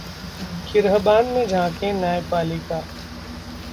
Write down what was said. गिरहबान में झांके न्यायपालिका